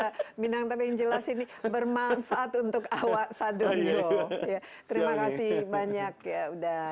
hai minang tapi jelas ini bermanfaat untuk awak sadunyo terima kasih banyak ya udah